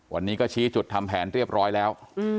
วันนี้ก็ชี้จุดทำแผนเรียบร้อยแล้ว